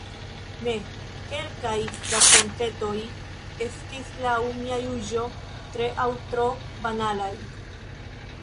Ne, kelkaj rakontetoj estis laŭ mia juĝo tre aŭ tro banalaj.